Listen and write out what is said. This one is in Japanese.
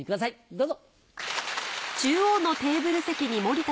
どうぞ。